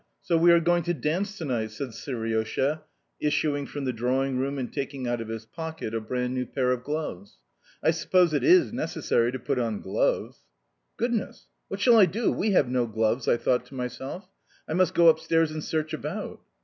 So we are going to dance to night," said Seriosha, issuing from the drawing room and taking out of his pocket a brand new pair of gloves. "I suppose it IS necessary to put on gloves?" "Goodness! What shall I do? We have no gloves," I thought to myself. "I must go upstairs and search about."